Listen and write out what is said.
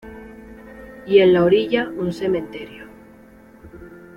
Y en la orilla un cementerio..."".